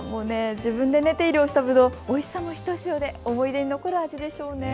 自分で手入れをしたぶどう、おいしさもひとしおで思い出に残る味でしょうね。